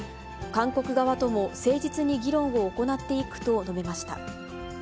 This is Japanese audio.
韓国側とも誠実に議論を行っていくと述べました。